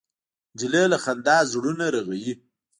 نجلۍ له خندا زړونه رغوي.